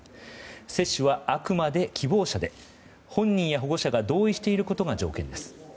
接種は、あくまで希望者で本人や保護者が同意していることが条件です。